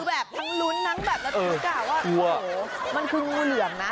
แบบทั้งลุ้นทั้งแบบระทึกอ่ะว่าโอ้โหมันคืองูเหลือมนะ